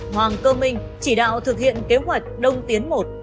hoàng cơ minh chỉ đạo thực hiện kế hoạch đông tiến một